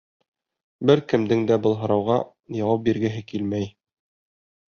Бер кемдең дә был һорауға яуап биргеһе килмәй.